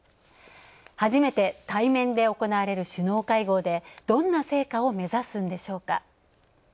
初めて対面で行われる首脳会合でどんな成果を目指すんでしょうか。